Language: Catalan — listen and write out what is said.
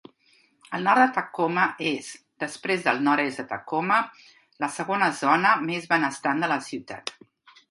El nord de Tacoma és, després del nord-est de Tacoma, la segona zona més benestant de la ciutat.